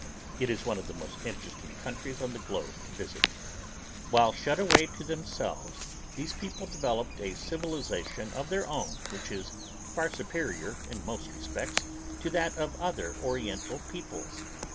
It is one of the most interesting countries on the globe to visit. While shut away to themselves these people developed a civilization of their own which is far superior, in most respects, to that of other oriental peoples.